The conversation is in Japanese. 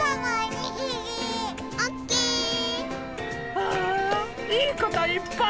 ああいいこといっぱい！